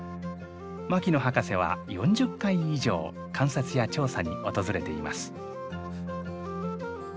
牧野博士は４０回以上観察や調査に訪れています。